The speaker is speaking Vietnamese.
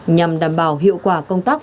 nhằm đảm bảo hiệu quả công tác phòng